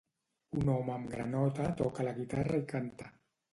Un home amb granota toca la guitarra i canta.